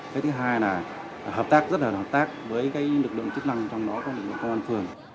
cái thứ hai là hợp tác rất là hợp tác với cái lực lượng chức năng trong đó của công an phường